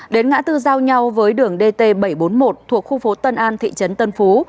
đến ngã tư giao nhau với đường dt bảy trăm bốn mươi một thuộc khu phố tân an thị trấn tân phú